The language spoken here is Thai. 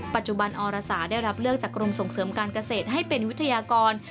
ปัจจุบันอรสาได้รับเลือกจากกรมส่งเสริมการเกษตรให้เป็นวิทยากร